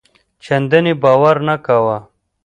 چنداني باور نه کاوه.